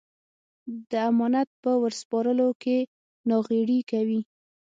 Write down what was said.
د امانت په ور سپارلو کې ناغېړي کوي.